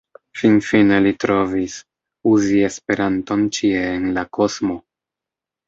Finfine li trovis: uzi Esperanton ĉie en la kosmo.